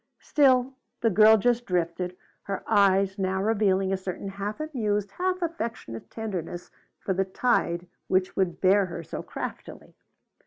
Still the girl just drifted, her eyes now revealing a certain half amused, half affectionate tenderness for the tide which would bear her so craftily.